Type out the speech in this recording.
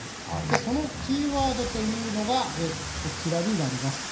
そのキーワードというのが、こちらになります。